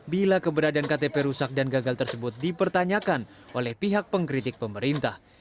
bila keberadaan ktp rusak dan gagal tersebut dipertanyakan oleh pihak pengkritik pemerintah